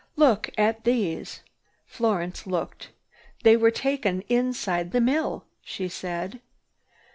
"Look at these!" Florence looked. "They were taken inside the mill," she said.